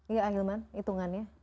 iya ahilman hitungannya